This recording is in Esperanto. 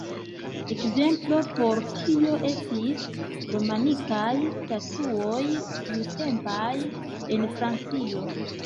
Ekzemplo por tio estis romanikaj statuoj tiutempaj en Francio.